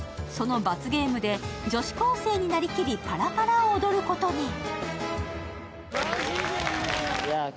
その罰ゲームで女性高生になりきり、パラパラを踊ることに。